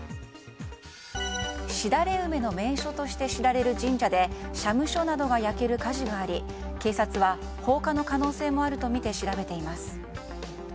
シダレウメの名所として知られる神社で社務所などが焼ける火事があり警察は放火の可能性もあるとみて調べています。